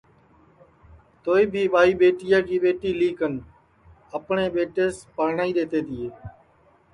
توہی بھی ٻائی ٻیٹیا کی ٻیٹی لی کن اپٹؔے ٻیٹیس پرنائی دؔیتے ہے